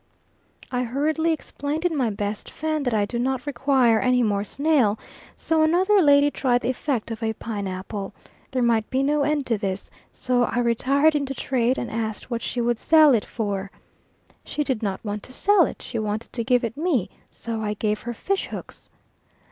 I hurriedly explained in my best Fan that I do not require any more snail; so another lady tried the effect of a pine apple. There might be no end to this, so I retired into trade and asked what she would sell it for. She did not want to sell it she wanted to give it me; so I gave her fish hooks.